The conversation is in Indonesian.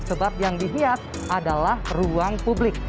sebab yang dihiat adalah ruang publik